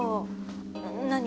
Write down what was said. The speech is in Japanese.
何？